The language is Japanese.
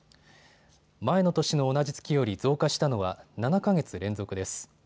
前の年の同じ月より増加したのは７か月連続です。